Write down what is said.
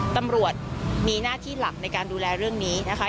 ตำรวจมีหน้าที่หลักในการดูแลเรื่องนี้นะคะ